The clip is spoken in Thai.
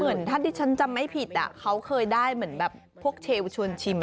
เหมือนถ้าที่ฉันจำไม่ผิดเขาเคยได้เหมือนแบบพวกเชลลชวนชิม